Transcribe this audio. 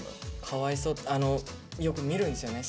かわいそうよく見るんですよね